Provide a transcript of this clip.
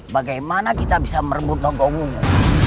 bagaimana kita bisa merebut logongmu